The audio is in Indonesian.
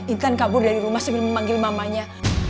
ikan kabur dari rumah sambil memanggil mamanya